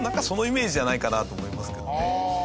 そのイメージじゃないかなと思いますけどね。